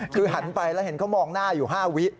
คือหันไปแล้วเห็นเขามองหน้าอยู่๕วิ